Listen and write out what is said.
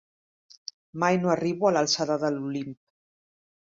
Mai no arribo a l'alçada de l'Olimp.